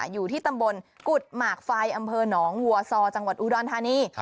อยู่ที่ตำบลกุฎหมากไฟอำเภอหนองวัวซอจังหวัดอุดรธานี